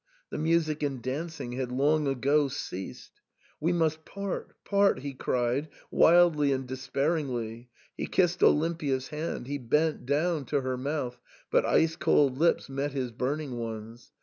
The music and dancing had long ago ceased. "We must part — part !" he cried, wildly and despairingly ; he kissed Olimpia's hand ; he bent down to her mouth, but ice cold lips met his burning ones.